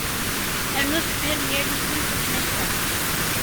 Rnu deffir n yal isem tasnakta.